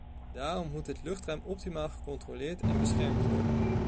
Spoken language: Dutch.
Daarom moet het luchtruim optimaal gecontroleerd en beschermd worden.